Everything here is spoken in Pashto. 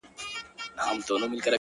هغه به زما له سترگو”